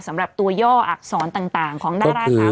สำหรับตัวย่ออักษรต่างของดาราสาว